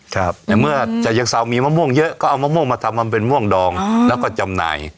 ครับแต่เมื่อชะเชิงเซามีมะม่วงเยอะก็เอามะม่วงมาทำมาเป็นม่วงดองแล้วก็จำหน่าย